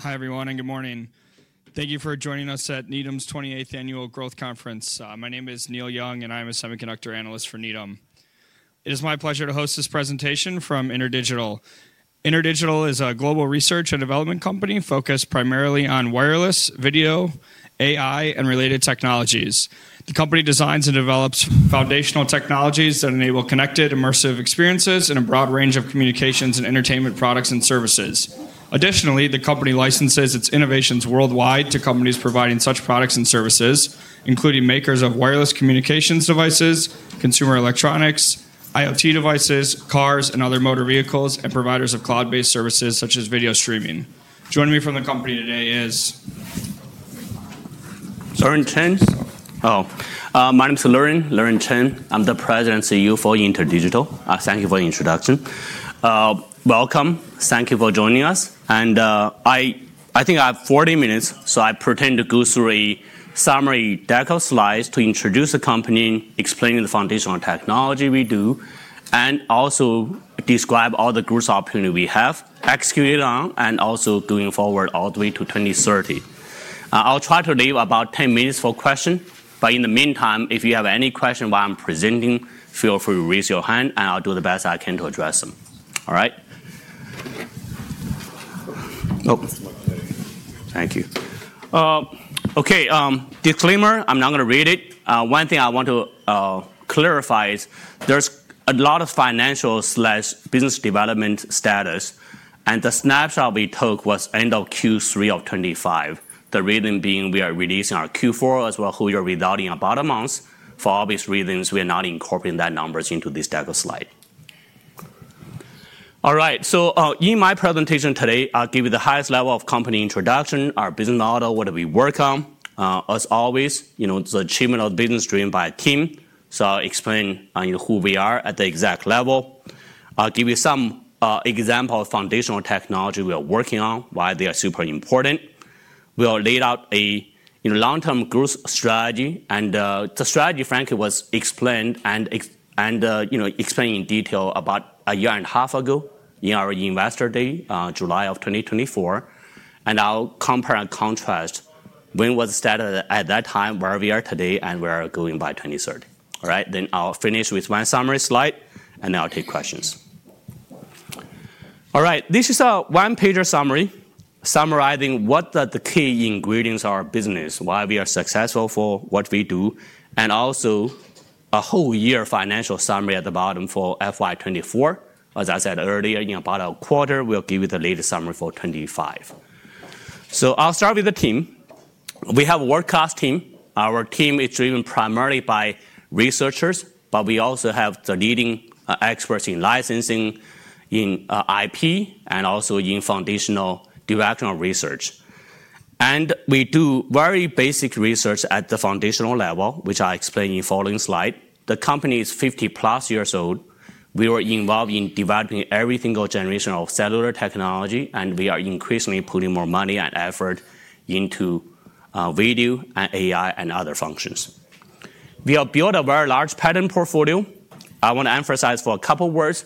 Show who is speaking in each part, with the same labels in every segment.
Speaker 1: Hi everyone, and good morning. Thank you for joining us at Needham & Company's 28th Annual Growth Conference. My name is Neil Young, and I'm a Semiconductor Analyst for Needham & Company. It is my pleasure to host this presentation from InterDigital. InterDigital is a global research and development company focused primarily on wireless, video, AI, and related technologies. The company designs and develops foundational technologies that enable connected, immersive experiences in a broad range of communications and entertainment products and services. Additionally, the company licenses its innovations worldwide to companies providing such products and services, including makers of wireless communications devices, consumer electronics, IoT devices, cars, and other motor vehicles, and providers of cloud-based services such as video streaming. Joining me from the company today is...
Speaker 2: Sorry, Chen. Oh, my name is Liren, Liren Chen. I'm the President and CEO for InterDigital. Thank you for the introduction. Welcome. Thank you for joining us, and I think I have 40 minutes, so I plan to go through a summary deck of slides to introduce the company, explain the foundational technology we do, and also describe all the growth opportunities we have executed on and also going forward all the way to 2030. I'll try to leave about 10 minutes for questions, but in the meantime, if you have any questions while I'm presenting, feel free to raise your hand, and I'll do the best I can to address them. All right? Thank you. Okay, disclaimer. I'm not going to read it. One thing I want to clarify is there's a lot of financial/business development status, and the snapshot we took was end of Q3 of 2025. The reason being we are releasing our Q4 as well as full year results in about a month. For obvious reasons, we are not incorporating those numbers into this deck of slides. All right, so in my presentation today, I'll give you the highest level of company introduction, our business model, what we work on. As always, the achievement of the business dream by a team. So I'll explain who we are at the high level. I'll give you some examples of foundational technology we are working on, why they are super important. We'll lay out a long-term growth strategy, and the strategy, frankly, was explained in detail about a year and a half ago in our Investor Day, July of 2024, and I'll compare and contrast what was the status at that time, where we are today, and where we are going by 2030. All right, then I'll finish with one summary slide, and then I'll take questions. All right, this is a one-pager summary summarizing what the key ingredients are of our business, why we are successful for what we do, and also a whole year financial summary at the bottom for FY24. As I said earlier, in about a quarter, we'll give you the latest summary for 2025, so I'll start with the team. We have a world-class team. Our team is driven primarily by researchers, but we also have the leading experts in licensing, in IP, and also in foundational developmental research, and we do very basic research at the foundational level, which I'll explain in the following slide. The company is 50+ years old. We were involved in developing every single generation of cellular technology, and we are increasingly putting more money and effort into video and AI and other functions. We have built a very large patent portfolio. I want to emphasize for a couple of words.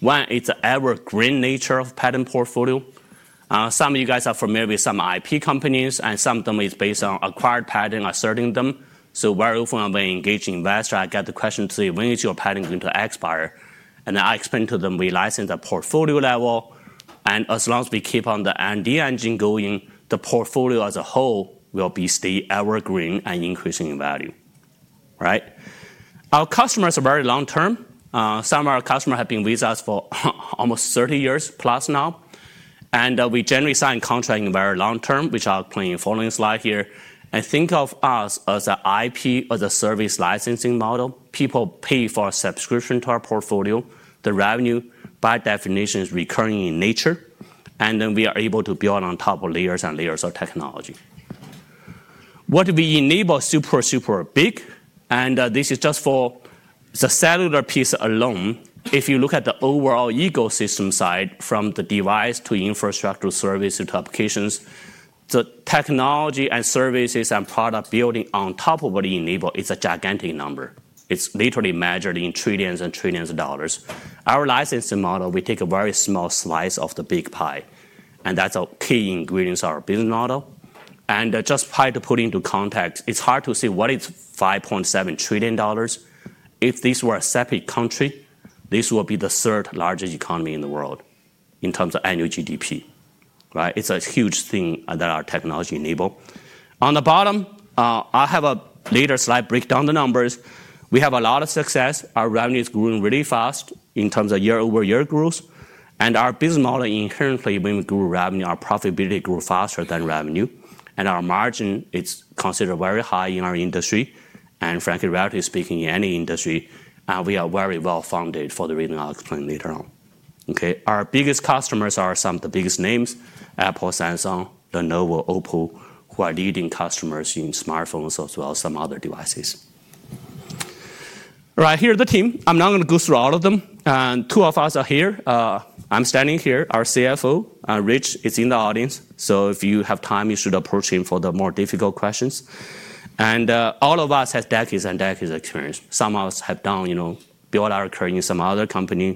Speaker 2: One, it's an evergreen nature of patent portfolio. Some of you guys are familiar with some IP companies, and some of them are based on acquired patent asserting them. So very often when I engage investors, I get the question to say, when is your patent going to expire? And I explain to them we license at portfolio level, and as long as we keep on the idea engine going, the portfolio as a whole will be staying evergreen and increasing in value. All right, our customers are very long-term. Some of our customers have been with us for almost 30+ years now, and we generally sign contracts in a very long term, which I'll explain in the following slide here, and think of us as an IP as a service licensing model. People pay for a subscription to our portfolio. The revenue, by definition, is recurring in nature, and then we are able to build on top of layers and layers of technology. What we enable is super, super big, and this is just for the cellular piece alone. If you look at the overall ecosystem side from the device to infrastructure services to applications, the technology and services and product building on top of what we enable is a gigantic number. It's literally measured in trillions and trillions of dollars. Our licensing model, we take a very small slice of the big pie, and that's our key ingredients of our business model. Just try to put into context, it's hard to see what is $5.7 trillion. If this were a separate country, this would be the third largest economy in the world in terms of annual GDP. It's a huge thing that our technology enables. On the bottom, I have a later slide breakdown of the numbers. We have a lot of success. Our revenue is growing really fast in terms of year-over-year growth, and our business model inherently when we grow revenue, our profitability grows faster than revenue, and our margin is considered very high in our industry. Frankly, relatively speaking, in any industry, we are very well-funded for the reason I'll explain later on. Our biggest customers are some of the biggest names, Apple, Samsung, Lenovo, Oppo, who are leading customers in smartphones as well as some other devices. All right, here's the team. I'm not going to go through all of them. Two of us are here. I'm standing here, our CFO, Rich, is in the audience, so if you have time, you should approach him for the more difficult questions. All of us have decades and decades of experience. Some of us have done built our career in some other companies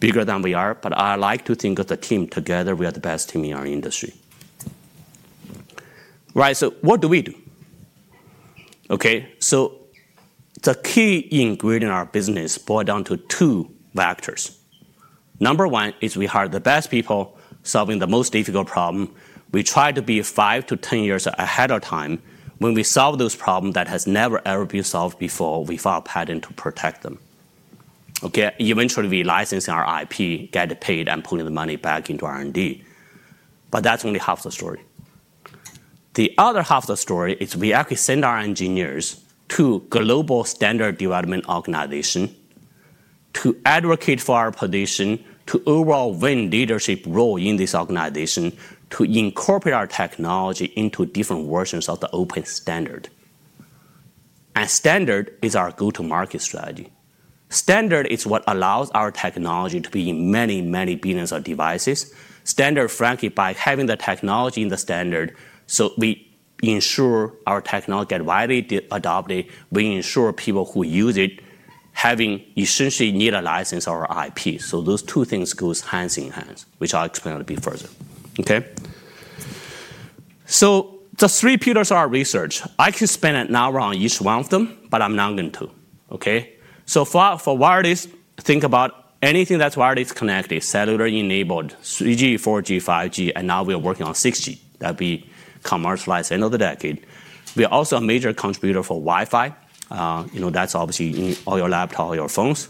Speaker 2: bigger than we are, but I like to think of the team together, we are the best team in our industry. Right, what do we do? Okay, the key ingredient in our business boils down to two factors. Number one is we hire the best people, solving the most difficult problem. We try to be 5 to 10 years ahead of time. When we solve those problems that have never ever been solved before, we file a patent to protect them. Eventually, we license our IP, get paid, and put the money back into R&D, but that's only half the story. The other half of the story is we actually send our engineers to global standard development organizations to advocate for our position, to overall win leadership roles in this organization, to incorporate our technology into different versions of the open standard, and standard is our go-to-market strategy. Standard is what allows our technology to be in many, many billions of devices. Standard, frankly, by having the technology in the standard, so we ensure our technology gets widely adopted. We ensure people who use it having essentially need a license or IP. So those two things go hand in hand, which I'll explain a little bit further. So the three pillars of our research, I could spend an hour on each one of them, but I'm not going to. So for wireless, think about anything that's wireless connected, cellular-enabled, 3G, 4G, 5G, and now we're working on 6G. That'll be commercialized at the end of the decade. We're also a major contributor for Wi-Fi. That's obviously on your laptop or your phones.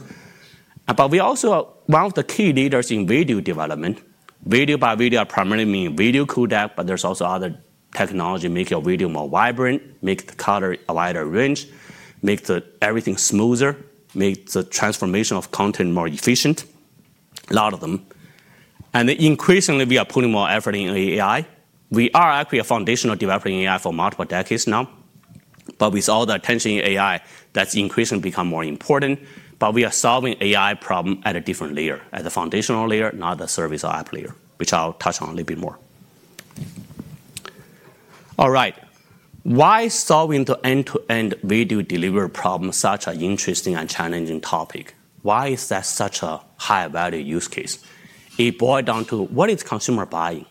Speaker 2: But we're also one of the key leaders in video development. Video by video primarily means video codec, but there's also other technology that makes your video more vibrant, makes the color a wider range, makes everything smoother, makes the transformation of content more efficient, a lot of them. And increasingly, we are putting more effort into AI. We are actually a foundational developer in AI for multiple decades now, but with all the attention in AI, that's increasingly become more important. But we are solving AI problems at a different layer, at the foundational layer, not the service or app layer, which I'll touch on a little bit more. All right, why solving the end-to-end video delivery problem such an interesting and challenging topic? Why is that such a high-value use case? It boils down to what is consumer buying?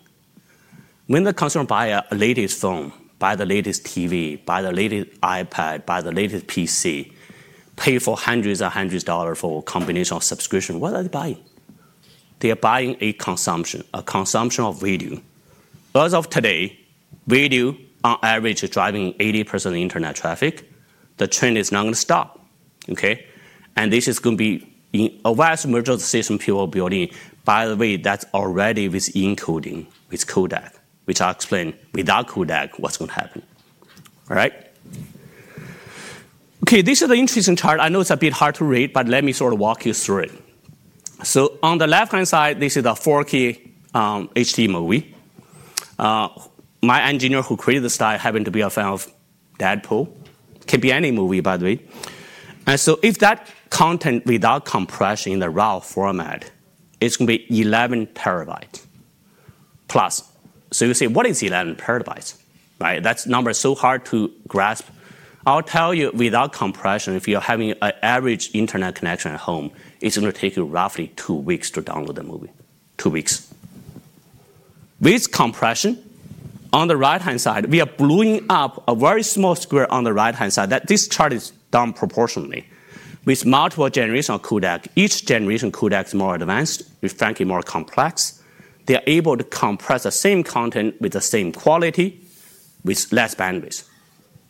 Speaker 2: When the consumer buys the latest phone, buys the latest TV, buys the latest iPad, buys the latest PC, pays for hundreds and hundreds of dollars for a combination of subscriptions, what are they buying? They are buying a consumption, a consumption of video. As of today, video on average is driving 80% of internet traffic. The trend is not going to stop. This is going to be a vast merged system people are building. By the way, that's already with encoding, with codec, which I'll explain without codec what's going to happen. All right, okay, this is an interesting chart. I know it's a bit hard to read, but let me sort of walk you through it. On the left-hand side, this is a 4K HD movie. My engineer who created this style happened to be a fan of Deadpool. It could be any movie, by the way. If that content without compression in the raw format, it's going to be 11+ TB. So you say, what is 11 TB? That number is so hard to grasp. I'll tell you, without compression, if you're having an average internet connection at home, it's going to take you roughly two weeks to download the movie. Two weeks. With compression, on the right-hand side, we are blowing up a very small square on the right-hand side. This chart is done proportionally. With multiple generations of codec, each generation of codec is more advanced, frankly, more complex. They are able to compress the same content with the same quality with less bandwidth.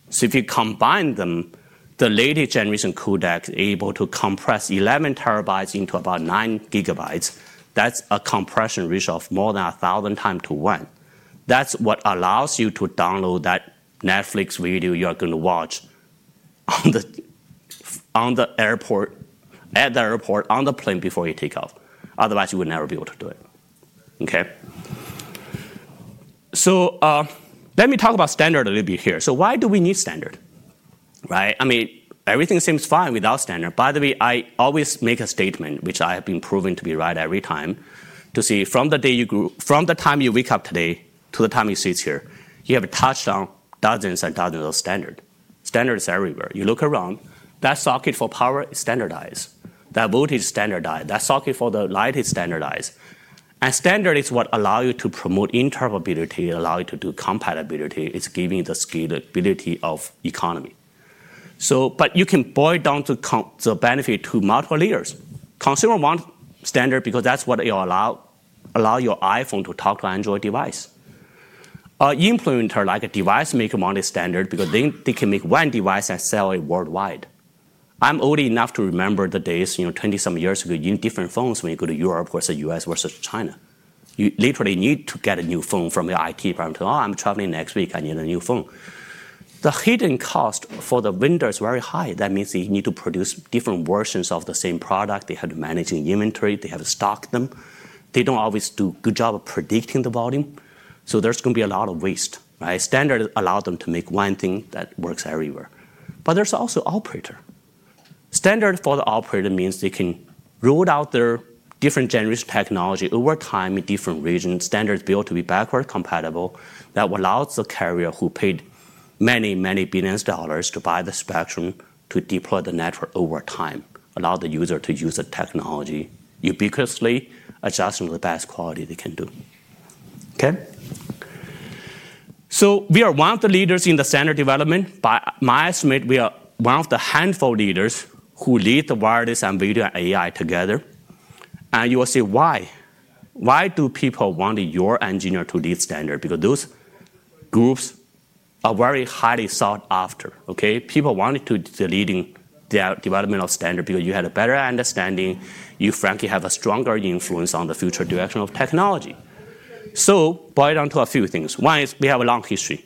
Speaker 2: So if you combine them, the latest generation codec is able to compress 11 TB into about 9 GB. That's a compression ratio of more than 1,000 times to 1. That's what allows you to download that Netflix video you're going to watch at the airport on the plane before you take off. Otherwise, you would never be able to do it. So let me talk about standard a little bit here. So why do we need standard? I mean, everything seems fine without standard. By the way, I always make a statement, which I have been proven to be right every time, to say from the time you wake up today to the time you sit here, you have touched on dozens and dozens of standards. Standard is everywhere. You look around, that socket for power is standardized. That voltage is standardized. That socket for the light is standardized, and standard is what allows you to promote interoperability, allows you to do compatibility. It's giving the scalability of the economy, but you can boil down the benefit to multiple layers. Consumers want standard because that's what it'll allow your iPhone to talk to Android device. An implementer like a device maker wanted standard because then they can make one device and sell it worldwide. I'm old enough to remember the days 20-some years ago using different phones when you go to Europe versus the U.S. versus China. You literally need to get a new phone from the IT department. Oh, I'm traveling next week. I need a new phone. The hidden cost for the vendor is very high. That means they need to produce different versions of the same product. They have to manage the inventory. They have to stock them. They don't always do a good job of predicting the volume. So there's going to be a lot of waste. Standard allows them to make one thing that works everywhere. But there's also operator. Standard for the operator means they can roll out their different generation technology over time in different regions. Standard is built to be backward compatible. That allows the carrier who paid many, many billions of dollars to buy the spectrum to deploy the network over time, allow the user to use the technology ubiquitously, adjusting to the best quality they can do. So we are one of the leaders in the standard development. By my estimate, we are one of the handful of leaders who lead the wireless and video and AI together. And you will see why. Why do people want your engineer to lead standard? Because those groups are very highly sought after. People wanted to be leading the development of standard because you had a better understanding. You, frankly, have a stronger influence on the future direction of technology. So boil it down to a few things. One is we have a long history.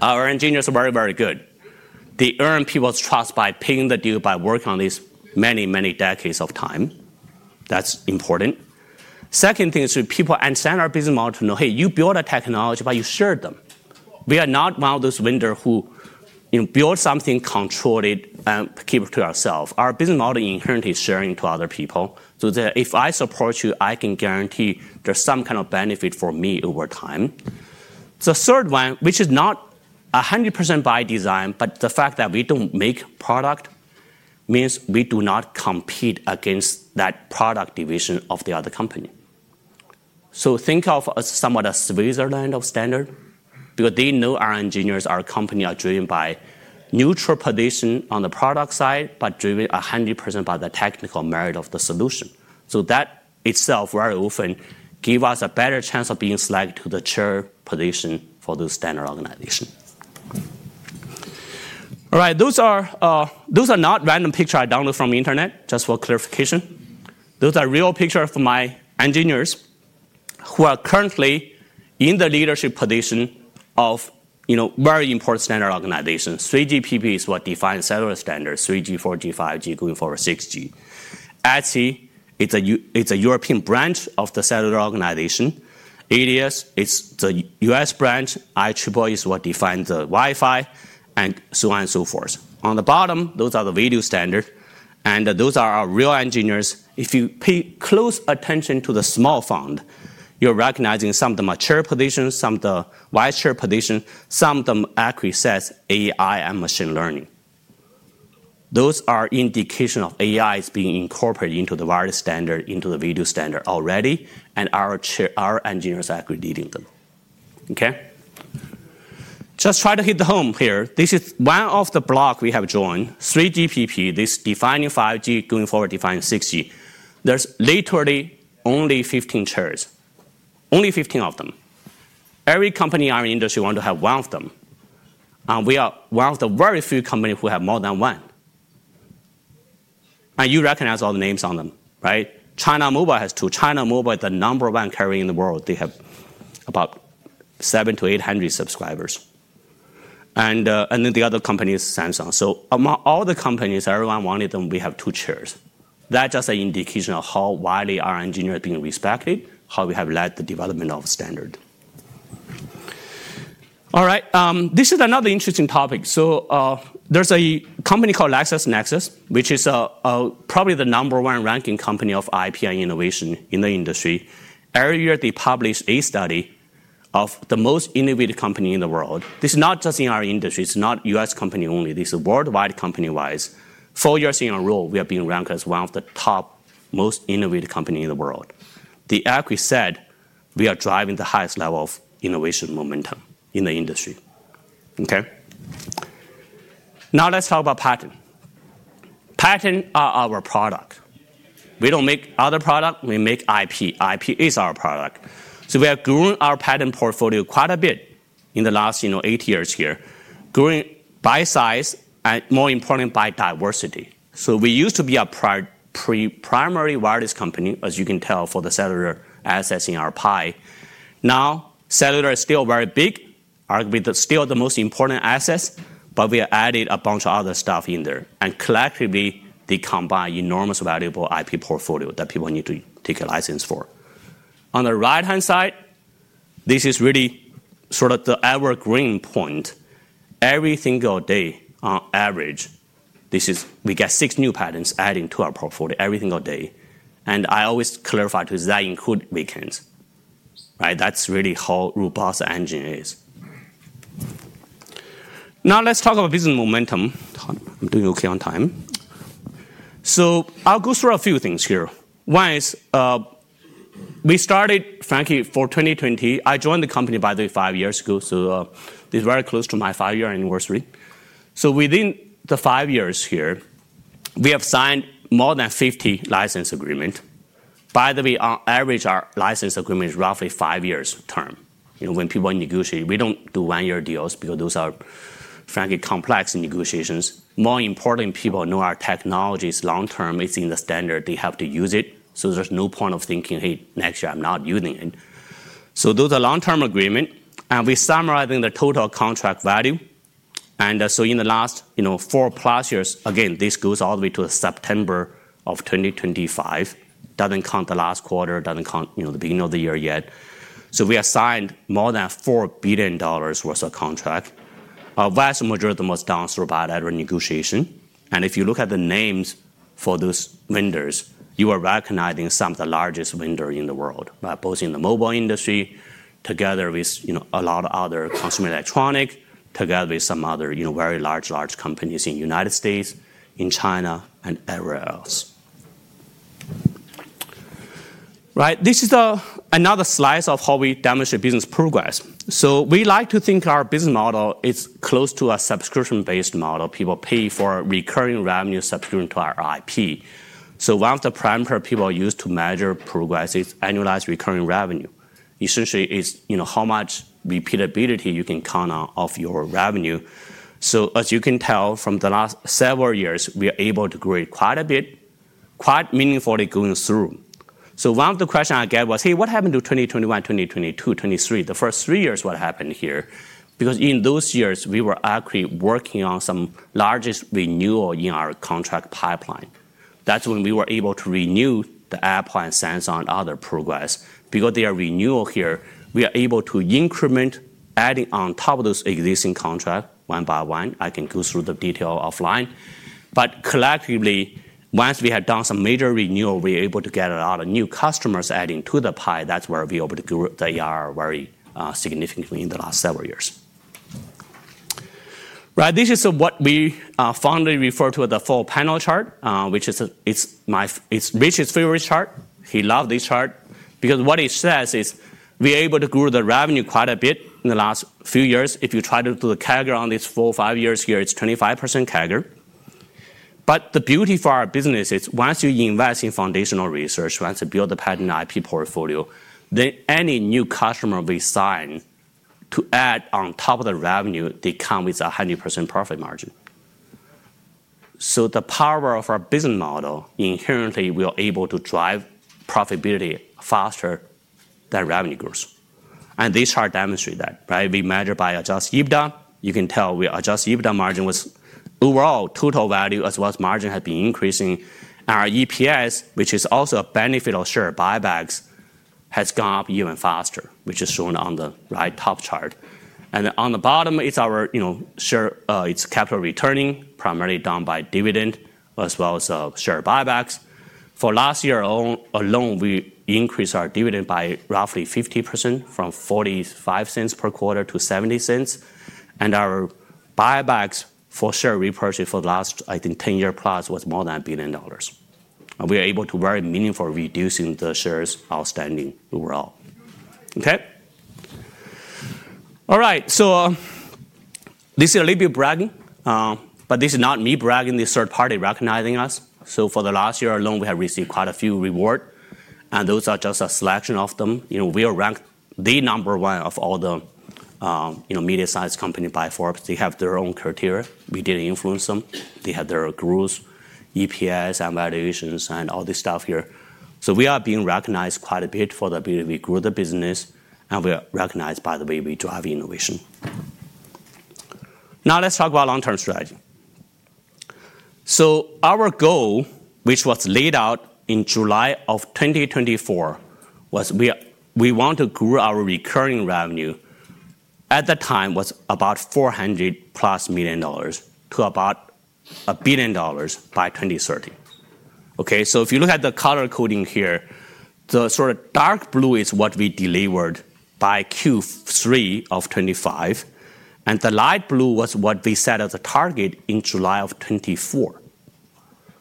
Speaker 2: Our engineers are very, very good. They earn people's trust by paying the due, by working on this many, many decades of time. That's important. Second thing is people understand our business model to know, hey, you build a technology, but you share them. We are not one of those vendors who build something, control it, and keep it to ourselves. Our business model inherently is sharing to other people. So if I support you, I can guarantee there's some kind of benefit for me over time. The third one, which is not 100% by design, but the fact that we don't make product means we do not compete against that product division of the other company. So think of somewhat a Switzerland of standard because they know our engineers, our company are driven by neutral position on the product side, but driven 100% by the technical merit of the solution. So that itself very often gives us a better chance of being selected to the chair position for the standard organization. All right, those are not random pictures I downloaded from the internet, just for clarification. Those are real pictures for my engineers who are currently in the leadership position of very important standard organizations. 3GPP is what defines cellular standards, 3G, 4G, 5G, going forward 6G. ETSI, it's a European branch of the cellular organization. ATIS is the U.S. branch. IEEE is what defines the Wi-Fi and so on and so forth. On the bottom, those are the video standards. And those are our real engineers. If you pay close attention to the small font, you're recognizing some of the mature positions, some of the vice-chair positions, some of them actually says AI and machine learning. Those are indications of AI being incorporated into the wireless standard, into the video standard already, and our engineers are actually leading them. Just try to hit the home here. This is one of the blocks we have joined, 3GPP, this defining 5G, going forward defining 6G. There's literally only 15 chairs, only 15 of them. Every company in our industry wants to have one of them. We are one of the very few companies who have more than one. And you recognize all the names on them. China Mobile has two. China Mobile is the number one carrier in the world. They have about 700 million-800 million subscribers. And then the other company is Samsung. So among all the companies, everyone wanted them, we have two chairs. That's just an indication of how widely our engineers are being respected, how we have led the development of standard. All right, this is another interesting topic. So there's a company called LexisNexis, which is probably the number one ranking company of IP and innovation in the industry. Earlier, they published a study of the most innovative company in the world. This is not just in our industry. It's not a U.S. company only. This is worldwide company-wise. Four years in a row, we have been ranked as one of the top most innovative companies in the world. They actually said we are driving the highest level of innovation momentum in the industry. Now let's talk about patent. Patents are our product. We don't make other products. We make IP. IP is our product. So we are growing our patent portfolio quite a bit in the last eight years here, growing by size and, more importantly, by diversity. We used to be a primary wireless company, as you can tell from the cellular assets in our pie. Now cellular is still very big. Arguably, it's still the most important asset, but we added a bunch of other stuff in there. And collectively, they combine enormous valuable IP portfolio that people need to take a license for. On the right-hand side, this is really sort of the evergreen point. Every single day, on average, we get six new patents added to our portfolio every single day. And I always clarify to that includes weekends. That's really how robust the engine is. Now let's talk about business momentum. I'm doing OK on time. So I'll go through a few things here. One is we started, frankly, for 2020. I joined the company, by the way, five years ago. So this is very close to my five-year anniversary. Within the five years here, we have signed more than 50 license agreements. By the way, on average, our license agreement is roughly a five-year term. When people negotiate, we don't do one-year deals because those are, frankly, complex negotiations. More importantly, people know our technology is long-term. It's in the standard. They have to use it. So there's no point of thinking, hey, next year, I'm not using it. So those are long-term agreements. And we're summarizing the total contract value. And so in the last 4+ years, again, this goes all the way to September of 2025. Doesn't count the last quarter. Doesn't count the beginning of the year yet. So we have signed more than $4 billion worth of contracts. Our margins were down through about every negotiation. And if you look at the names for those vendors, you are recognizing some of the largest vendors in the world, both in the mobile industry together with a lot of other consumer electronics, together with some other very large, large companies in the United States, in China, and everywhere else. This is another slice of how we demonstrate business progress. So we like to think our business model is close to a subscription-based model. People pay for recurring revenue subscription to our IP. So one of the parameters people use to measure progress is annualized recurring revenue. Essentially, it's how much repeatability you can count on of your revenue. So as you can tell from the last several years, we are able to grow quite a bit, quite meaningfully going through. So one of the questions I get was, hey, what happened to 2021, 2022, 2023? The first three years, what happened here? Because in those years, we were actually working on some largest renewal in our contract pipeline. That's when we were able to renew the Apple and Samsung and other progress. Because they are renewal here, we are able to increment, adding on top of those existing contracts one by one. I can go through the detail offline. But collectively, once we had done some major renewal, we were able to get a lot of new customers adding to the pie. That's where we were able to grow the very significantly in the last several years. This is what we fondly refer to as the four-panel chart, which is Rich's favorite chart. He loves this chart because what it says is we are able to grow the revenue quite a bit in the last few years. If you try to do the CAGR on these four or five years here, it's 25% CAGR. But the beauty for our business is once you invest in foundational research, once you build a patent IP portfolio, then any new customer we sign to add on top of the revenue, they come with a 100% profit margin. So the power of our business model inherently will be able to drive profitability faster than revenue growth. And this chart demonstrates that. We measure by adjusted EBITDA. You can tell our adjusted EBITDA margin was overall total value as well as margin has been increasing. And our EPS, which is also a benefit of share buybacks, has gone up even faster, which is shown on the right top chart. And on the bottom, it's our share capital returning, primarily done by dividend as well as share buybacks. For last year alone, we increased our dividend by roughly 50% from $0.45 per quarter to $0.70. And our buybacks for share repurchase for the last, I think, 10+ years was more than $1 billion. And we are able to very meaningfully reduce the shares outstanding overall. All right, so this is a little bit bragging, but this is not me bragging. This is third party recognizing us. So for the last year alone, we have received quite a few rewards. And those are just a selection of them. We are ranked the number one of all the medium-sized companies by Forbes. They have their own criteria. We didn't influence them. They have their growth, EPS, and valuations, and all this stuff here. So we are being recognized quite a bit for the ability we grew the business. And we are recognized by the way we drive innovation. Now let's talk about long-term strategy. So our goal, which was laid out in July of 2024, was we want to grow our recurring revenue. At the time, it was about $400+ million to about $1 billion by 2030. So if you look at the color coding here, the sort of dark blue is what we delivered by Q3 of 2025. And the light blue was what we set as a target in July of 2024.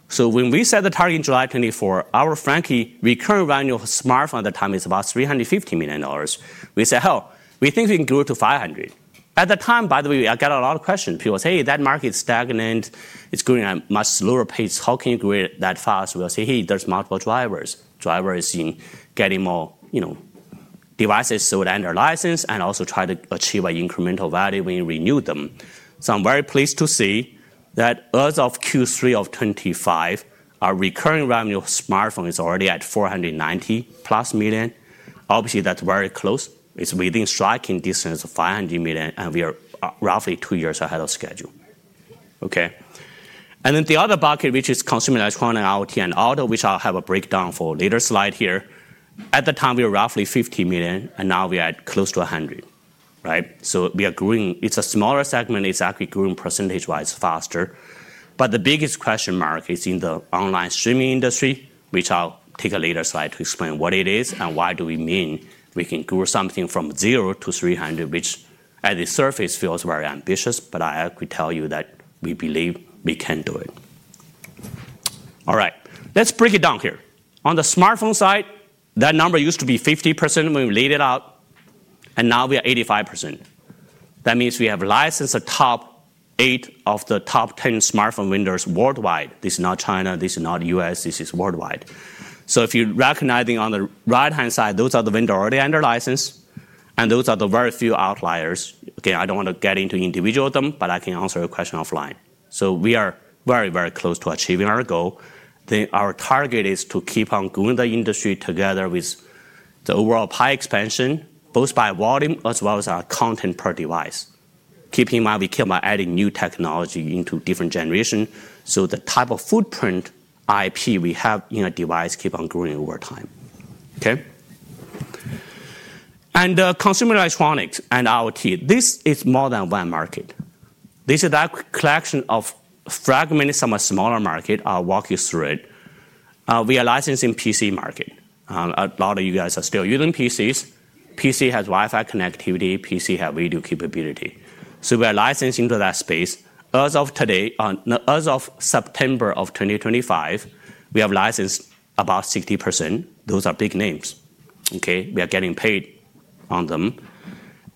Speaker 2: So when we set the target in July 2024, our, frankly, recurring revenue of smartphone at the time is about $350 million. We said, oh, we think we can grow to $500 million. At the time, by the way, I got a lot of questions. People said, hey, that market is stagnant. It's growing at a much slower pace. How can you grow it that fast? We'll say, hey, there's multiple drivers. Drivers in getting more devices sold under license and also try to achieve an incremental value when you renew them, so I'm very pleased to see that as of Q3 of 2025, our recurring revenue of smartphone is already at $490+ million. Obviously, that's very close. It's within striking distance of $500 million, and we are roughly two years ahead of schedule, and then the other bucket, which is consumer electronics, IoT, and auto, which I'll have a breakdown for later slide here. At the time, we were roughly $50 million, and now we are close to $100 million, so we are growing. It's a smaller segment. It's actually growing percentage-wise faster. But the biggest question mark is in the online streaming industry, which I'll take a later slide to explain what it is and why do we mean we can grow something from $0 to $300, which at the surface feels very ambitious. But I could tell you that we believe we can do it. All right, let's break it down here. On the smartphone side, that number used to be 50% when we laid it out. And now we are 85%. That means we have licensed the top 8 of the top 10 smartphone vendors worldwide. This is not China. This is not the U.S. This is worldwide. So if you're recognizing on the right-hand side, those are the vendors already under license. And those are the very few outliers. Again, I don't want to get into individual of them, but I can answer your question offline. So we are very, very close to achieving our goal. Our target is to keep on growing the industry together with the overall pie expansion, both by volume as well as our content per device. Keep in mind, we came by adding new technology into different generations. So the type of footprint IP we have in a device keeps on growing over time. And consumer electronics and IoT, this is more than one market. This is a collection of fragments, some are smaller markets. I'll walk you through it. We are licensing PC market. A lot of you guys are still using PCs. PC has Wi-Fi connectivity. PC has video capability. So we are licensing to that space. As of today, as of September of 2025, we have licensed about 60%. Those are big names. We are getting paid on them.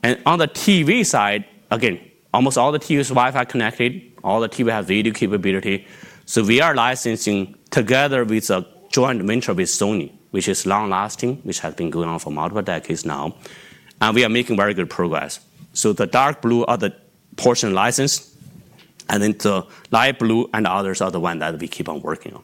Speaker 2: And on the TV side, again, almost all the TVs are Wi-Fi connected. All the TVs have video capability, so we are licensing together with a joint venture with Sony, which is long-lasting, which has been going on for multiple decades now, and we are making very good progress, so the dark blue are the portion licensed, and then the light blue and others are the ones that we keep on working on,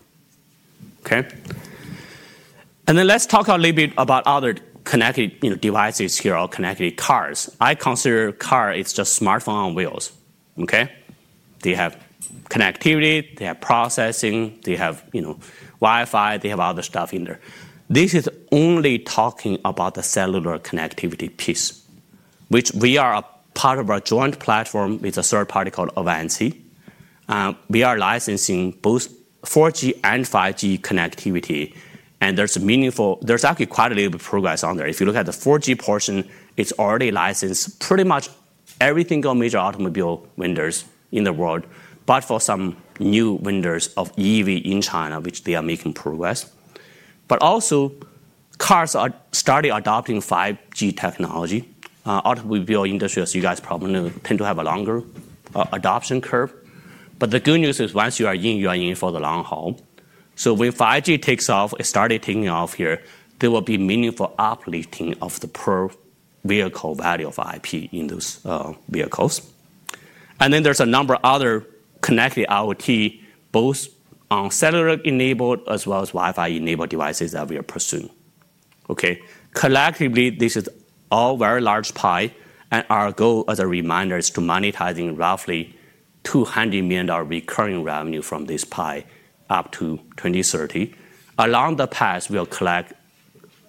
Speaker 2: and then let's talk a little bit about other connected devices here or connected cars. I consider cars as just smartphones on wheels. They have connectivity. They have processing. They have Wi-Fi. They have other stuff in there. This is only talking about the cellular connectivity piece, which we are a part of our joint platform with a third party called Avanci. We are licensing both 4G and 5G connectivity. And there's actually quite a little bit of progress on there. If you look at the 4G portion, it's already licensed pretty much every single major automobile vendors in the world, but for some new vendors of EV in China, which they are making progress. But also, cars are starting adopting 5G technology. Automobile industry, as you guys probably know, tends to have a longer adoption curve. But the good news is once you are in, you are in for the long haul. So when 5G takes off, it started taking off here, there will be meaningful uplifting of the per vehicle value of IP in those vehicles. And then there's a number of other connected IoT, both on cellular-enabled as well as Wi-Fi-enabled devices that we are pursuing. Collectively, this is all a very large pie. And our goal, as a reminder, is to monetize roughly $200 million recurring revenue from this pie up to 2030. Along the path, we'll collect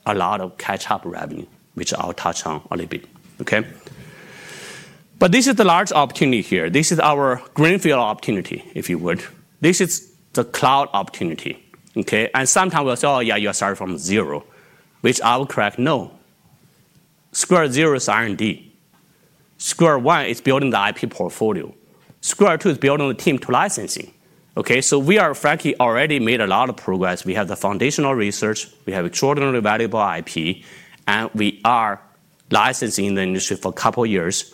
Speaker 2: a lot of catch-up revenue, which I'll touch on a little bit. But this is the large opportunity here. This is our greenfield opportunity, if you would. This is the cloud opportunity. And sometimes we'll say, oh, yeah, you started from zero, which I will correct. No. Square 0 is R&D. Square 1 is building the IP portfolio. Square 2 is building the team to licensing. So we are frankly already made a lot of progress. We have the foundational research. We have extraordinarily valuable IP. And we are licensing in the industry for a couple of years.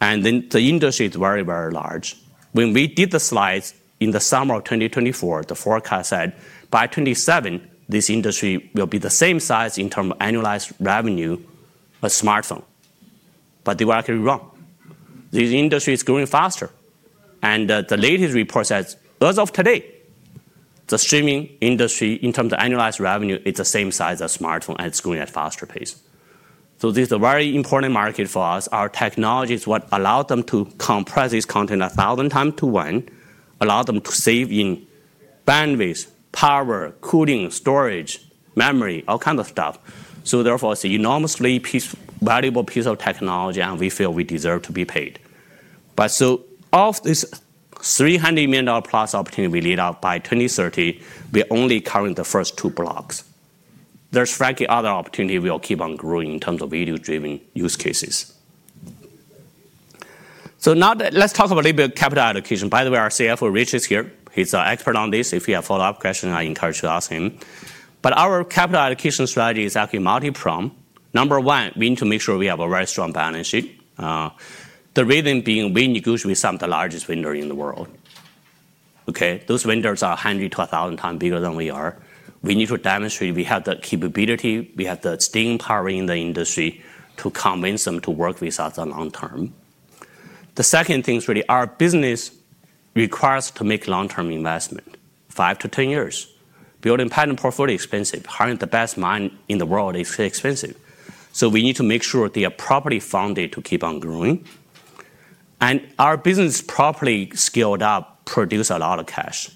Speaker 2: And then the industry is very, very large. When we did the slides in the summer of 2024, the forecast said by 2027, this industry will be the same size in terms of annualized revenue as smartphone. But they were actually wrong. This industry is growing faster. And the latest report says, as of today, the streaming industry in terms of annualized revenue is the same size as smartphone, and it's growing at a faster pace. So this is a very important market for us. Our technology is what allowed them to compress this content a thousand times to one, allowed them to save in bandwidth, power, cooling, storage, memory, all kinds of stuff. So therefore, it's an enormously valuable piece of technology, and we feel we deserve to be paid. But so of this $300+ million opportunity we laid out by 2030, we're only covering the first two blocks. There's frankly other opportunities we'll keep on growing in terms of video driven use cases. So now let's talk a little bit of capital allocation. By the way, our CFO, Rich, is here. He's an expert on this. If you have follow-up questions, I encourage you to ask him. But our capital allocation strategy is actually multi-pronged. Number one, we need to make sure we have a very strong balance sheet. The reason being we negotiate with some of the largest vendors in the world. Those vendors are 100 to 1,000 times bigger than we are. We need to demonstrate we have the capability. We have the staying power in the industry to convince them to work with us on long term. The second thing is really our business requires to make long-term investment, 5 to 10 years. Building a patent portfolio is expensive. Hiring the best minds in the world is expensive. So we need to make sure they are properly funded to keep on growing, and our business properly scaled up produces a lot of cash,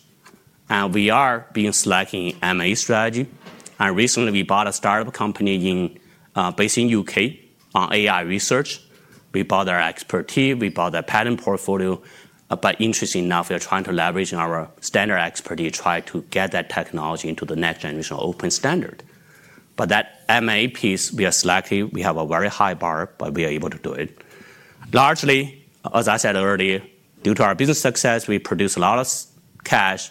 Speaker 2: and we are being selective in M&A strategy. Recently, we bought a startup company based in the U.K. on AI research. We bought their expertise. We bought their patent portfolio. Interestingly enough, we are trying to leverage our standards expertise to try to get that technology into the next generation open standard. That M&A piece, we are selective. We have a very high bar, but we are able to do it. Largely, as I said earlier, due to our business success, we produce a lot of cash.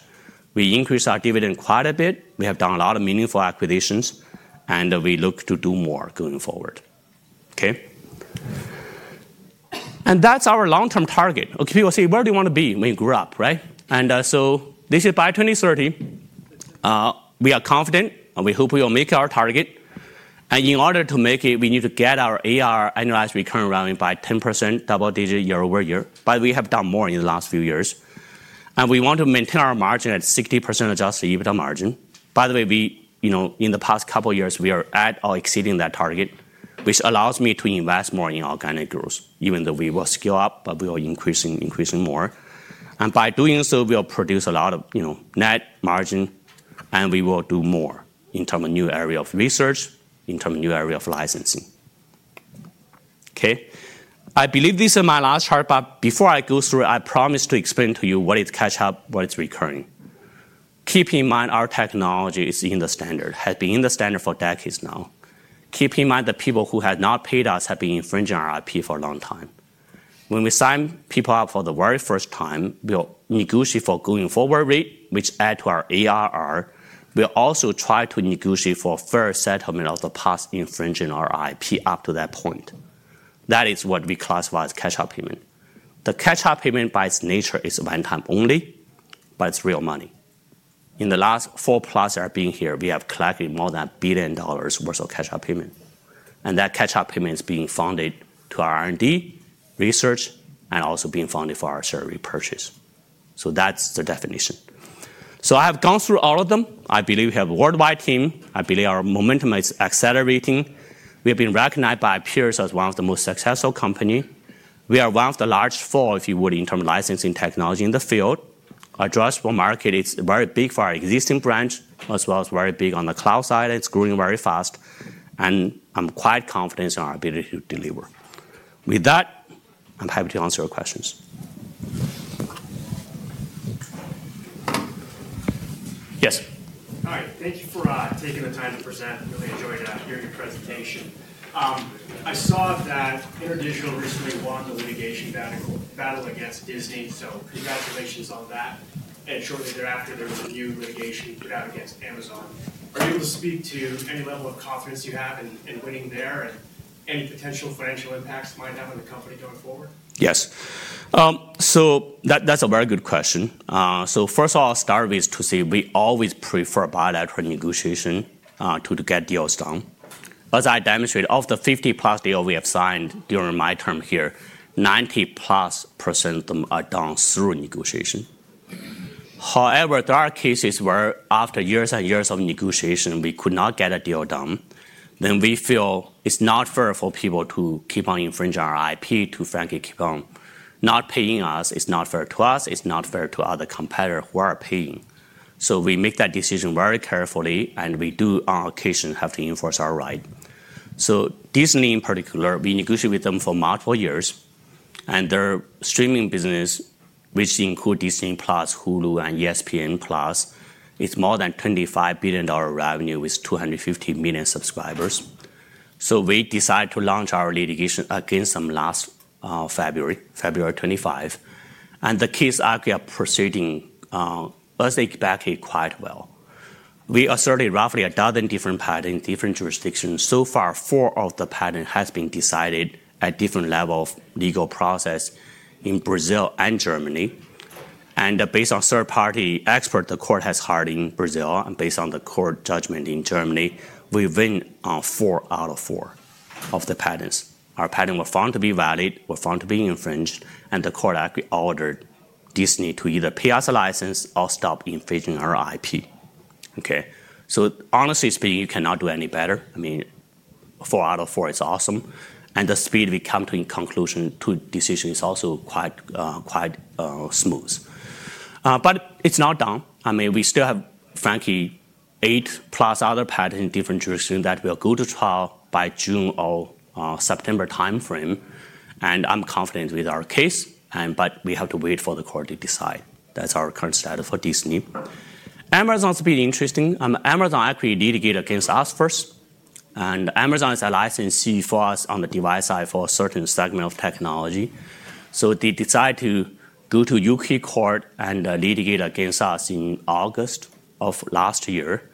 Speaker 2: We increase our dividend quite a bit. We have done a lot of meaningful acquisitions, and we look to do more going forward. And that's our long-term target. People say, where do you want to be when you grow up? And so this is by 2030. We are confident, and we hope we will make our target. And in order to make it, we need to get our ARR annualized recurring revenue by 10% double digit year-over-year. But we have done more in the last few years. And we want to maintain our margin at 60% adjusted EBITDA margin. By the way, in the past couple of years, we are at or exceeding that target, which allows me to invest more in organic growth, even though we will scale up, but we will increase more. And by doing so, we will produce a lot of net margin. And we will do more in terms of new area of research, in terms of new area of licensing. I believe this is my last chart, but before I go through, I promised to explain to you what is catch-up, what is recurring. Keep in mind our technology is in the standard, has been in the standard for decades now. Keep in mind the people who have not paid us have been infringing our IP for a long time. When we sign people up for the very first time, we'll negotiate for going forward rate, which adds to our ARR. We'll also try to negotiate for a fair settlement of the past infringing our IP up to that point. That is what we classify as catch-up payment. The catch-up payment by its nature is one-time only, but it's real money. In the last 4+ that have been here, we have collected more than $1 billion worth of catch-up payment. And that catch-up payment is being funded to our R&D, research, and also being funded for our share repurchase. So that's the definition. So I have gone through all of them. I believe we have a worldwide team. I believe our momentum is accelerating. We have been recognized by peers as one of the most successful companies. We are one of the large four, if you would, in terms of licensing technology in the field. Addressable market is very big for our existing branch, as well as very big on the cloud side. It's growing very fast. And I'm quite confident in our ability to deliver. With that, I'm happy to answer your questions. Yes. Hi. Thank you for taking the time to present. I really enjoyed hearing your presentation. I saw that InterDigital recently won the litigation battle against Disney. So congratulations on that. Shortly thereafter, there was a new litigation put out against Amazon. Are you able to speak to any level of confidence you have in winning there and any potential financial impacts it might have on the company going forward? Yes. So that's a very good question. So first of all, I'll start with to say we always prefer bilateral negotiation to get deals done. As I demonstrated, of the 50+ deals we have signed during my term here, 90%+ of them are done through negotiation. However, there are cases where after years and years of negotiation, we could not get a deal done. Then we feel it's not fair for people to keep on infringing our IP, to frankly keep on not paying us. It's not fair to us. It's not fair to other competitors who are paying. So we make that decision very carefully. And we do, on occasion, have to enforce our right. So Disney, in particular, we negotiated with them for multiple years. And their streaming business, which includes Disney+, Hulu, and ESPN+, is more than $25 billion revenue with 250 million subscribers. So we decided to launch our litigation against them last February, February 25. And the case actually is proceeding exactly quite well. We asserted roughly a dozen different patents in different jurisdictions. So far, four of the patents have been decided at different levels of legal process in Brazil and Germany. And based on third-party expert, the court has heard in Brazil. And based on the court judgment in Germany, we win on four out of four of the patents. Our patent was found to be valid. We were found to be infringed. And the court actually ordered Disney to either pay us a license or stop infringing our IP. So honestly speaking, you cannot do any better. I mean, four out of four is awesome. And the speed we come to in conclusion to decision is also quite smooth. But it's not done. I mean, we still have frankly 8+ other patents in different jurisdictions that will go to trial by June or September time frame. And I'm confident with our case. But we have to wait for the court to decide. That's our current status for Disney. Amazon's been interesting. Amazon actually litigated against us first. And Amazon is a licensee for us on the device side for a certain segment of technology. So they decided to go to U.K. court and litigate against us in August of last year.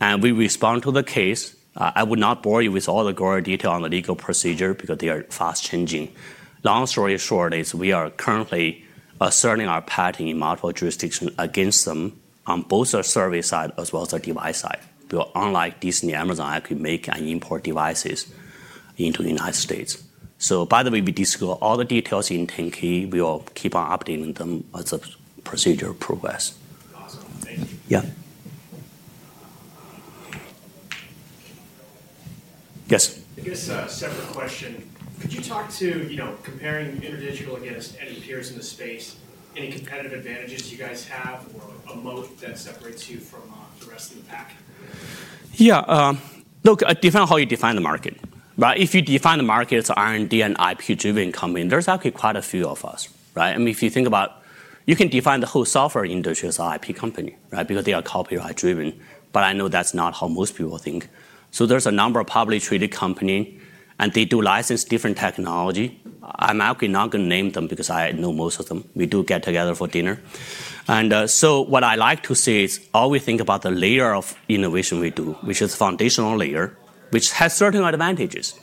Speaker 2: And we responded to the case. I will not bore you with all the gory detail on the legal procedure because they are fast-changing. Long story short, we are currently asserting our patent in multiple jurisdictions against them on both our service side as well as our device side. We will, unlike Disney, Amazon actually make and import devices into the United States. So by the way, we disclose all the details in 10-K. We will keep on updating them as the procedure progresses. Awesome. Thank you. Yeah. Yes. I guess a separate question. Could you talk about comparing InterDigital against any peers in the space, any competitive advantages you guys have or a moat that separates you from the rest of the pack? Yeah. Look, it depends on how you define the market. If you define the market as R&D and IP-driven company, there's actually quite a few of us. I mean, if you think about, you can define the whole software industry as an IP company because they are copyright-driven. But I know that's not how most people think. So there's a number of publicly traded companies. And they do license different technology. I'm actually not going to name them because I know most of them. We do get together for dinner. And so what I like to say is always think about the layer of innovation we do, which is the foundational layer, which has certain advantages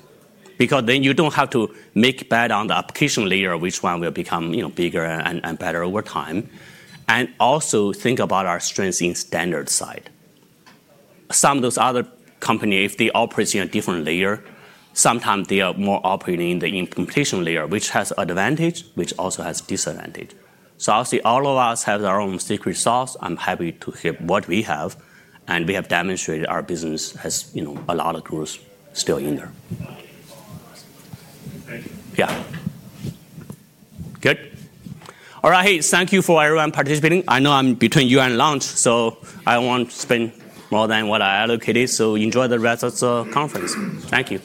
Speaker 2: because then you don't have to make bets on the application layer, which one will become bigger and better over time. And also think about our strengths in the standard side. Some of those other companies, if they operate in a different layer, sometimes they are more operating in the implementation layer, which has advantages, which also has disadvantages. So, I'll say all of us have our own secret sauce. I'm happy to hear what we have. And we have demonstrated our business has a lot of growth still in there. Thank you. Yeah. Good. All right. Thank you for everyone participating. I know I'm between you and lunch, so I won't spend more than what I allocated. So enjoy the rest of the conference. Thank you.